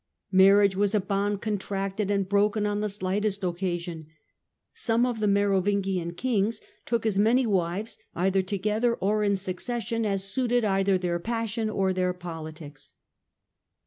Marriage was a bond contracted and broken on the lightest occasion. Some of the Merovingian kings took as many wives, either together or in succession, as suited either their passion or their politics."